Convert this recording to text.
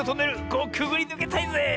ここくぐりぬけたいぜえ！